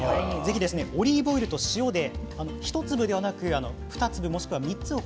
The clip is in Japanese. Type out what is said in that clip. オリーブオイルと塩で１粒ではなく２粒や３粒。